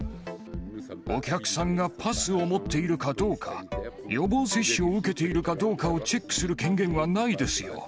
お客さんがパスを持っているかどうか、予防接種を受けているかどうかをチェックする権限はないですよ。